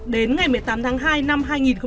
đến ngày một mươi tám tháng hai năm hai nghìn hai mươi